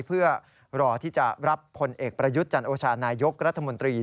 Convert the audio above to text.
เพื่อรอที่จะรับผลเอกประยุทธ์จันโอชานายกรัฐมนตรี